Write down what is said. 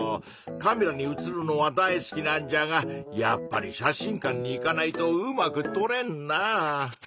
カメラにうつるのは大好きなんじゃがやっぱり写真館に行かないとうまくとれんなぁ。